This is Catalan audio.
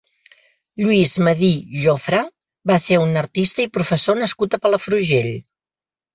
Lluís Medir Jofra va ser un artista i professor nascut a Palafrugell.